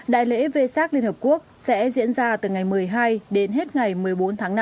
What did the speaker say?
đại lễ v sac liên hợp quốc sẽ diễn ra từ ngày một mươi hai đến hết ngày một mươi bốn tháng năm